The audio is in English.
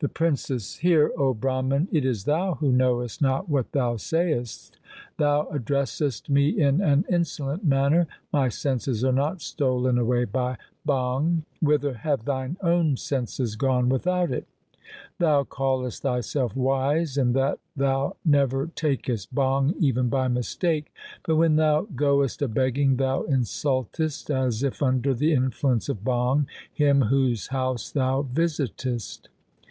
The Princess Hear, O Brahman, it is thou who knowest not what thou sayest. Thou addressest me in an insolent manner. My senses are not stolen away by bhang. Whither have thine own senses gone without it ? Thou callest thyself wise in that thou never takest bhang even by mistake, but when thou goest a begging, thou insultest, as if under the influence of bhang, him whose house thou visitest.